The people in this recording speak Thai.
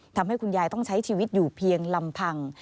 ทำให้คุณยายต้องใช้ชีวิตอยู่เพียงลำพัง